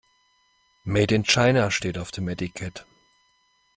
Made in China steht auf dem Etikett.